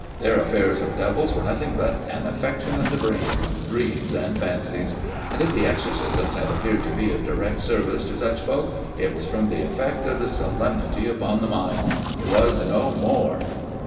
Their affairs of devils were nothing but an affection of the brain, dreams and fancies ! And if the exorcisms had appeared to be of direct service to such folk, it was from the effect of the solemnity upon the mind. It was no more."